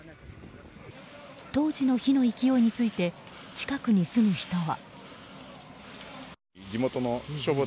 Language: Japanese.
当時の火の勢いについて近くに住む人は。